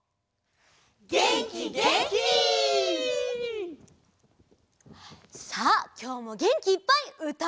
げんきげんき！さあきょうもげんきいっぱいうたっておどるよ！